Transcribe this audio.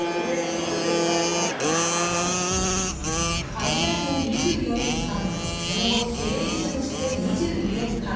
会社員を２４年間その後、経営者として２２年間。